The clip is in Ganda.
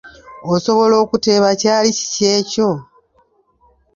Osobola okuteeba kyali kiki ekyo?